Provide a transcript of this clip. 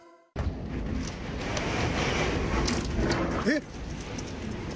えっ？